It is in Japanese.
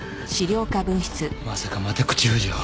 まさかまた口封じを。